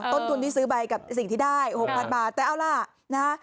ต้นทุนที่ซื้อไปกับสิ่งที่ได้๖๐๐๐บาทแต่เอาล่ะนะฮะ